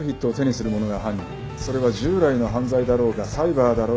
それは従来の犯罪だろうがサイバーだろうが変わらない。